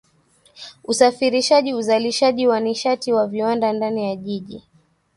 usafirishaji uzalishaji wa nishati na viwanda Ndani ya jiji